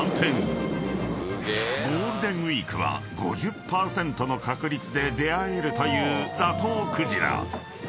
［ゴールデンウイークは５０％の確率で出会えるというザトウクジラ］